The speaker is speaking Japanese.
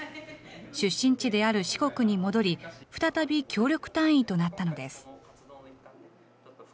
出身地である四国に戻り、再び協力隊員となったのです。